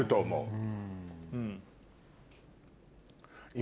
今。